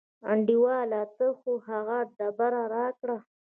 انډیواله ته خو هغه ډبره راکړه.